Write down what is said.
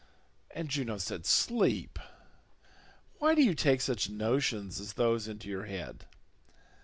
And Juno said, "Sleep, why do you take such notions as those into your head?